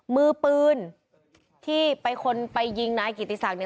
มือปืนที่ไปคนไปยิงนายกิติศักดิ